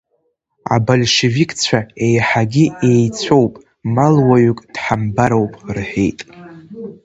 Абольшевикцәа еиҳагьы иеицәоуп мал уаҩык дҳамбароуп рҳәеит.